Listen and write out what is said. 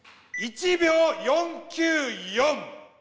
１秒４９４。